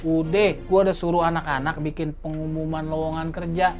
udeh gua udah suruh anak anak bikin pengumuman lowongan kerja